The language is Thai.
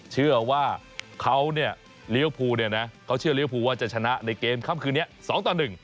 เชื่อว่าเขาเนี่ยเลี้ยวภูเนี่ยนะเขาเชื่อเลี้ยภูว่าจะชนะในเกมค่ำคืนนี้๒ต่อ๑